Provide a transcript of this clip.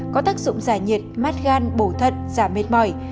có tác dụng giải nhiệt mát gan bổ thận giảm mệt mỏi